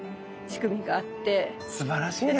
すばらしいですね。